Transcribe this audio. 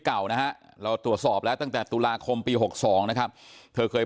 เก่านะฮะเราตรวจสอบแล้วตั้งแต่ตุลาคมปี๖๒นะครับเธอเคย